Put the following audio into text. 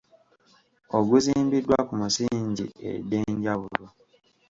Oguzimbiddwa ku misingi egyenjawulo.